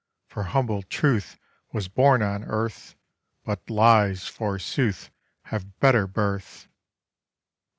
For humble Truth was born on Earth, But Lies, forsooth, have better birth!